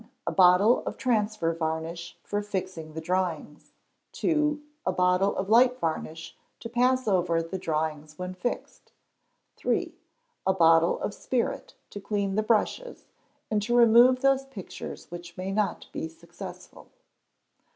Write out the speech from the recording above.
A bottle of transfer varnish for fixing the drawings. ii. A bottle of light varnish to pass over the drawings when fixed. iii. A bottle of spirit to clean the brushes, and to remove those pictures which may not be successful.